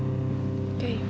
pak edi cepet pak